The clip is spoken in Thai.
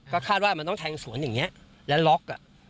ก็คาดว่ามันต้องแทงสวนอย่างนี้แล้วล็อก